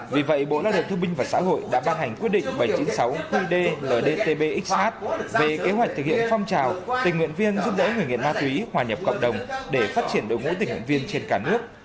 vì vậy bộ lao động thương binh và xã hội đã ban hành quyết định bảy trăm chín mươi sáu qd ldtb xh về kế hoạch thực hiện phong trào tình nguyện viên giúp đỡ người nghiện ma túy hòa nhập cộng đồng để phát triển đội ngũ tình nguyện viên trên cả nước